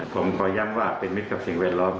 ผมขอย้ำว่าเป็นมิตรกับสิ่งแวดล้อม